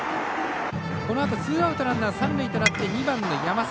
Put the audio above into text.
このあと、ツーアウトランナー、三塁となって２番の山里。